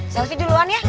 selesai duluan ya